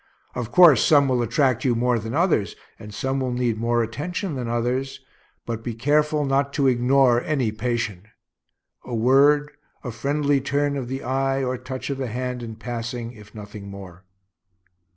Of course some will attract you more than others, and some will need more attention than others; but be careful not to ignore any patient. A word, a friendly turn of the eye or touch of the hand in passing, if nothing more.